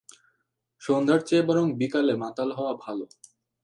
সন্ধ্যার চেয়ে বরং বিকালে মাতাল হওয়া ভালো।